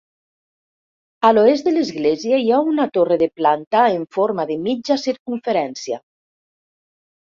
A l'oest de l'església hi ha una torre de planta en forma de mitja circumferència.